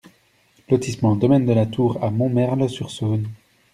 Lotissement Domaine de la Tour à Montmerle-sur-Saône